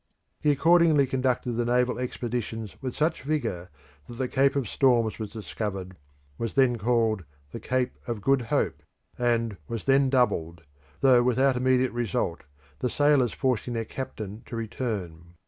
He accordingly conducted the naval expeditions with such vigour that the Cape of Storms was discovered, was then called the Cape of Good Hope, and, was then doubled, though without immediate result, the sailors forcing their captain to return.